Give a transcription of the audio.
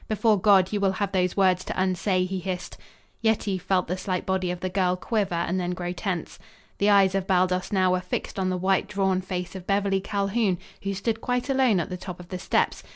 "Before God, you will have those words to unsay," he hissed. Yetive felt the slight body of the girl quiver and then grow tense. The eyes of Baldos now were fixed on the white, drawn face of Beverly Calhoun, who stood quite alone at the top of the steps.